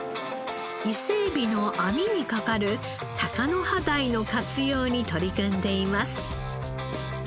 伊勢えびの網にかかるタカノハダイの活用に取り組んでいます。